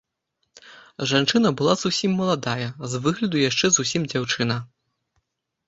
Жанчына была зусім маладая, з выгляду яшчэ зусім дзяўчына.